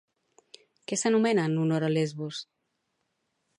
Què s'anomena en honor de Lesbos?